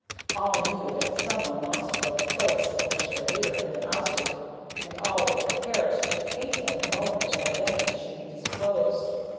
All knew that some one must fill the place from which their leader had been ousted, and all were prepared to hate him the moment his identity should be disclosed.